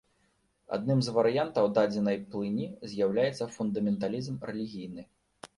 Адным з варыянтаў дадзенай плыні з'яўляецца фундаменталізм рэлігійны.